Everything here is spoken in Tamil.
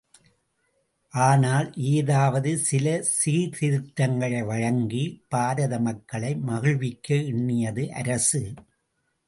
ஆனால், ஏதாவது சில சீர்திருத்தங்களை வழங்கி, பாரத மக்களை மகிழ்விக்க எண்ணியது அரசு!